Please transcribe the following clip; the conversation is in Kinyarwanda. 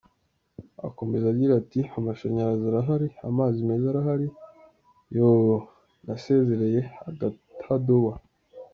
Akomeza agira ati “Amashanyarazi arahari, amazi meza arahari, yooo, nasezereye agatadowa.